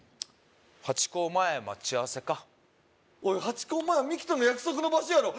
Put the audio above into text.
ハチ公前待ち合わせかおいハチ公前はミキとの約束の場所やろ